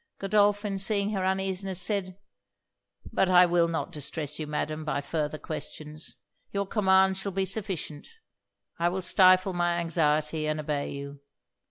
Godolphin, seeing her uneasiness, said 'But I will not distress you, Madam, by farther questions. Your commands shall be sufficient. I will stifle my anxiety and obey you.'